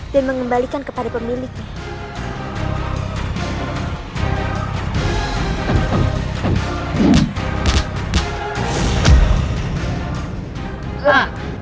dan mengembalikan kepada pemiliknya